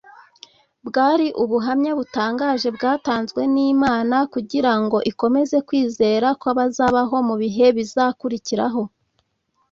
bwari ubuhamya butangaje bwatanzwe n’imana kugira ngo ikomeze kwizera kw’abazabaho mu bihe bizakurikiraho